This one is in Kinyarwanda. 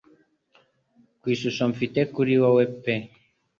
Ku ishusho mfite kuri wewe pe